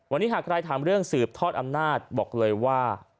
วันนี้หากใครถามเรื่องสืบทอดอำนาจบอกเลยว่า